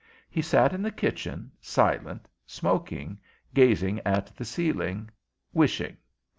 He sat in the kitchen, silent, smoking, gazing at the ceiling, wishing.